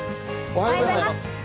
おはようございます。